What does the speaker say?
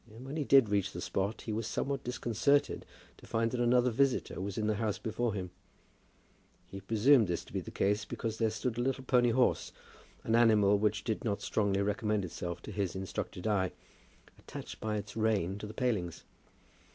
And when he did reach the spot he was somewhat disconcerted to find that another visitor was in the house before him. He presumed this to be the case, because there stood a little pony horse, an animal which did not strongly recommend itself to his instructed eye, attached by its rein to the palings.